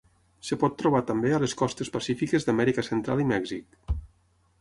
Es pot trobar també a les costes pacífiques d'Amèrica Central i Mèxic.